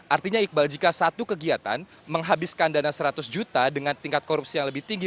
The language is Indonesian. artinya iqbal jika satu kegiatan menghabiskan dana seratus juta dengan tingkat korupsi yang lebih tinggi